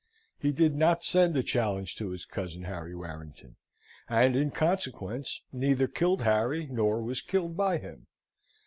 He did not send a challenge to his cousin, Harry Warrington; and, in consequence, neither killed Harry, nor was killed by him.